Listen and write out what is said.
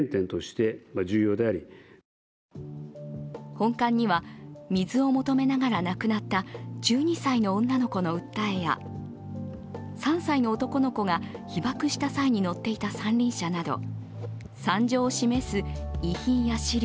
本館には水を求めながら亡くなった１２歳の女の子の訴えや３歳の男の子が被爆した際に乗っていた三輪車など、惨状を示す遺品や資料